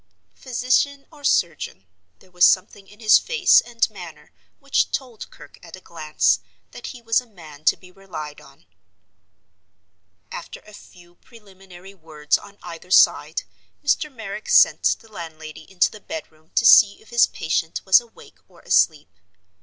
Physician or surgeon, there was something in his face and manner which told Kirke at a glance that he was a man to be relied on. After a few preliminary words on either side, Mr. Merrick sent the landlady into the bedroom to see if his patient was awake or asleep.